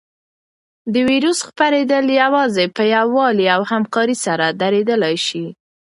د وېروس خپرېدل یوازې په یووالي او همکارۍ سره درېدلی شي.